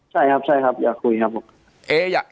ใช่ครับอยากคุยครับผม